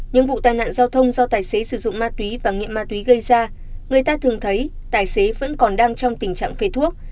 những vụ tai nạn giao thông do tài xế sử dụng ma túy và nghiện ma túy gây ra người ta thường thấy tài xế vẫn còn đang trong tình trạng phê thuốc